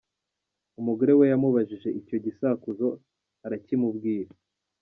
Umugore we yamubajije icyo gisakuzo, arakimubwira.